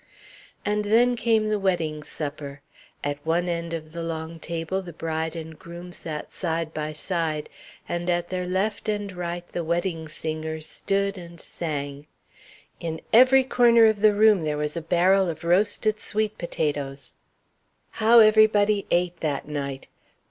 And then came the wedding supper! At one end of the long table the bride and groom sat side by side, and at their left and right the wedding singers stood and sang. In each corner of the room there was a barrel of roasted sweet potatoes. How everybody ate, that night!